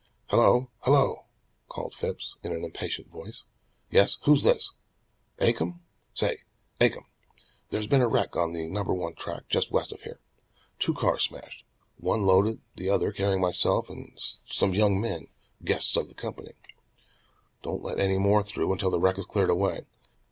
"Hello, hello!" called Phipps in an impatient voice. "Yes, who's this? Acomb? Say, Acomb, there's been a wreck on the number one track just west of here. Two cars smashed, one loaded the other carrying myself and some young men, guests of the company. Don't let any more through until the wreck is cleared away.